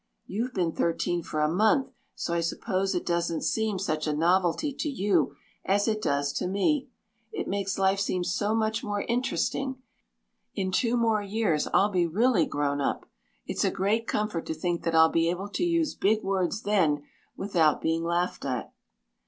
You've been thirteen for a month, so I suppose it doesn't seem such a novelty to you as it does to me. It makes life seem so much more interesting. In two more years I'll be really grown up. It's a great comfort to think that I'll be able to use big words then without being laughed at."